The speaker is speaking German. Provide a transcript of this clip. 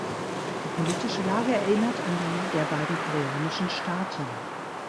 Die politische Lage erinnert an die der beiden koreanischen Staaten.